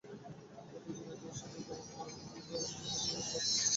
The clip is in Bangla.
যদিও ন্যাটওয়েস্ট টি-টোয়েন্টি ব্লাস্ট টুর্নামেন্টে সাসেক্সের অবস্থা খুব একটা ভালো নয়।